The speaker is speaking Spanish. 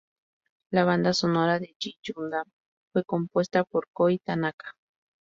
La banda sonora de "G Gundam" fue compuesta por Kohei Tanaka.